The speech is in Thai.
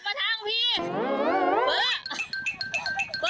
ย่าดาวเก่าอีกย้า